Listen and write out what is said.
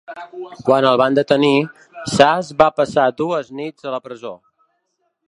Quan el van detenir, Sas va passar dues nits a la presó.